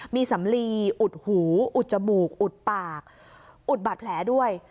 มีสำลีอุดหูอุดจมูกอุดปากอุดบาดแผลด้วย